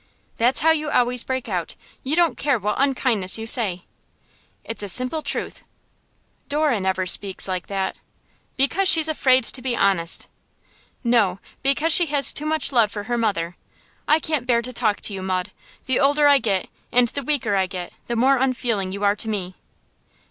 'That's how you always break out. You don't care what unkindness you say!' 'It's a simple truth.' 'Dora never speaks like that.' 'Because she's afraid to be honest.' 'No, because she has too much love for her mother. I can't bear to talk to you, Maud. The older I get, and the weaker I get, the more unfeeling you are to me.